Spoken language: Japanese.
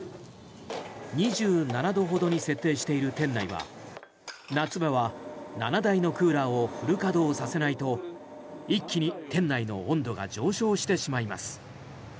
２７度ほどに設定している店内は夏場は７台のクーラーをフル稼働させないと一気に店内の温度が上昇してしまいます。